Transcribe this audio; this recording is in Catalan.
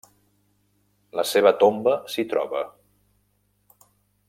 La seva tomba s'hi troba.